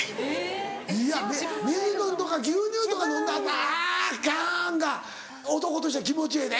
いや水飲むとか牛乳とか飲んだ後「あぁ！」ガン！が男としては気持ちええで。